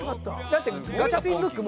だってガチャピンムック